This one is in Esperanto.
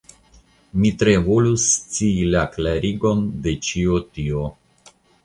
Mi tre volus scii la klarigon de ĉio tio.